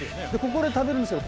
ここで食べるんですよ。